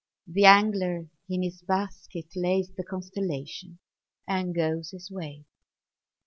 The angler in his basket lays The constellation, and goes his ways.